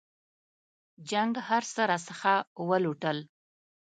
جنګ هرڅه راڅخه ولوټل.